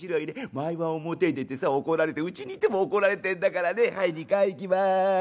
毎晩表へ出てさ怒られてうちにいても怒られてんだからねはい二階行きます。